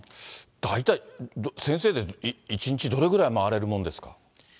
大体、先生で１日どれぐらい回れるもんですか。